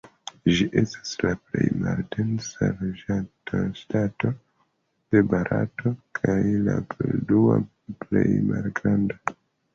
Ĝi estas la plej maldense loĝata ŝtato de Barato, kaj la dua plej malgranda.